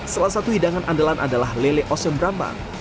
salah satu hidangan andalan adalah lele osem brambang